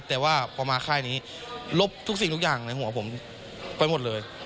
แต่ว่าพอมาค่ายนี้ลบทุกสิ่งทุกอย่างในหัวผมไปหมดเลย